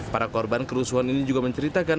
para korban kerusuhan ini juga menceritakan